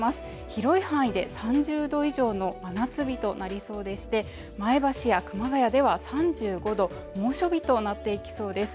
広い範囲で３０度以上の真夏日となりそうでして前橋や熊谷では３５度猛暑日となっていきそうです